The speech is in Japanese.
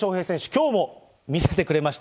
きょうも見せてくれました。